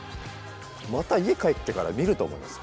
また家帰ってから見ると思います